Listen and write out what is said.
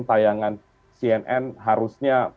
tayangan cnn harusnya